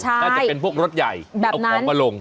น่าจะเป็นพวกรถใหญ่เอาของมาลง